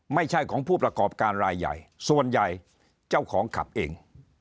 ไม่ใช่ของผู้ประกอบการรายใหญ่ส่วนใหญ่เจ้าของขับเอง